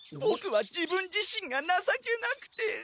ボクは自分自身がなさけなくて。